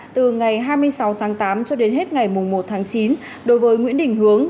từ ngày hai mươi sáu tháng tám cho đến hết ngày một tháng chín đối với nguyễn đình hướng